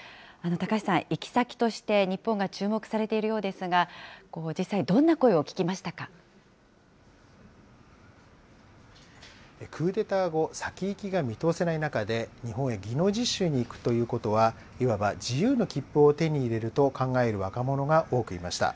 高橋さん、行き先として日本が注目されているようですが、実際、どんな声をクーデター後、先行きが見通せない中で、日本へ技能実習に行くということは、いわば自由の切符を手に入れると考える若者が多くいました。